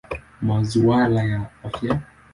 Masuala ya Afya.